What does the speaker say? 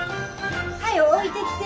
早う置いてきて。